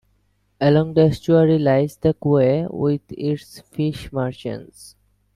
Along the estuary lies the quay with its fish merchants.